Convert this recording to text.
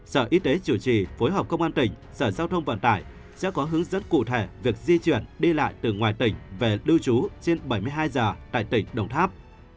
sở y tế chủ trì phối hợp công an tỉnh sở giao thông vận tải sẽ có hướng dẫn cụ thể việc di chuyển đi lại từ ngoài tỉnh về lưu trú trên bảy mươi hai giờ tại tỉnh đồng tháp